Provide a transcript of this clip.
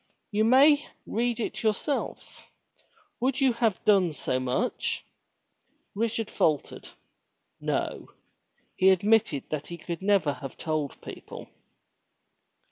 ''You may read it yourself. Would you have done so much?" Richard faltered. No! He admitted that he could never have told people.